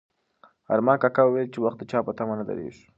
ارمان کاکا وویل چې وخت د چا په تمه نه درېږي.